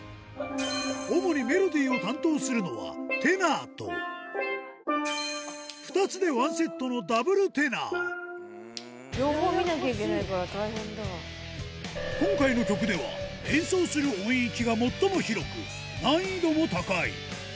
主にメロディーを担当するのは、テナーと、両方見なきゃいけないから、今回の曲では、演奏する音域が最も広く、難易度も高い。